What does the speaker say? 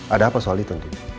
ada apa soal itu